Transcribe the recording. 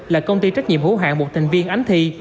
là công ty trách nhiệm hữu hạng một thành viên ánh thi